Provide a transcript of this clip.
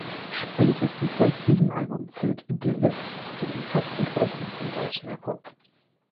Spätestens seit diesem Album zählt Deluxe zu den festen Größen im deutschen Hip-Hop.